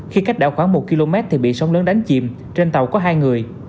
khi cách đảo khoảng một km thì bị sóng lớn đánh chìm trên tàu có hai người